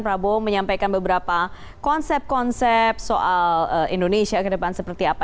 prabowo menyampaikan beberapa konsep konsep soal indonesia ke depan seperti apa